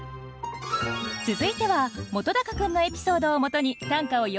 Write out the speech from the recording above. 続いては本君のエピソードをもとに短歌を詠んでみましょう。